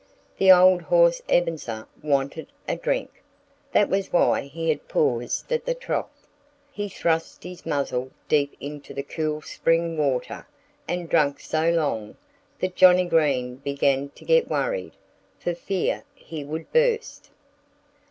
The old horse Ebenezer wanted a drink. That was why he had paused at the trough. He thrust his muzzle deep into the cool spring water and drank so long that Johnnie Green began to be worried, for fear he would burst.